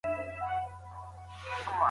د ټولني افراد بايد د يو بل پر ضد ونه پارول سي.